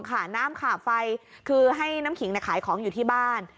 ขาน้ำขาบไฟคือให้น้ำขิงขายของอยู่ที่บ้าน